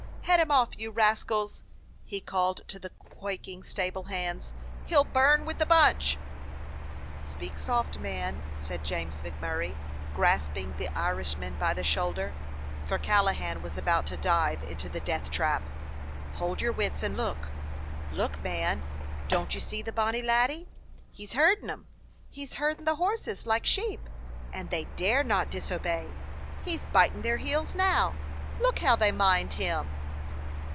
"Head him off, you rascals!" he called to the quaking stable hands. "He 'll burn with the bunch!" 272 A FIRE DOG OF NEW YORK "Speak soft, man," said James MacMurray, grasping the Irishman by the shoulder, for Callahan was about to dive into the death trap. "Hold your wits and look! Look, man, don't you see the bonny laddie? He 's herdin' them ! He 's herdin' the horses like sheep, and they dare not disobey. He 's bitin' their heels now. Look how they mind him!"